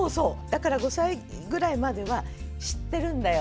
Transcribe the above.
だから５歳ぐらいまでは知ってるんだよ